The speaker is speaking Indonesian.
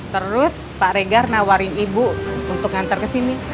terus pak regar nawarin ibu untuk ngantar ke sini